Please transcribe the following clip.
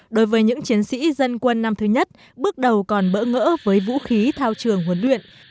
đối với những chiến sĩ dân quân năm thứ nhất bước đầu còn bỡ ngỡ với vũ khí thao trường huấn luyện